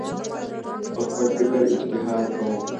په خپل فکر اجتهاد کوم